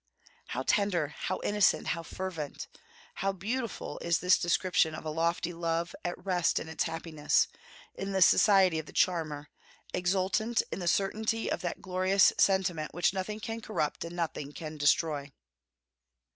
How tender, how innocent, how fervent, how beautiful, is this description of a lofty love, at rest in its happiness, in the society of the charmer, exultant in the certainty of that glorious sentiment which nothing can corrupt and nothing can destroy!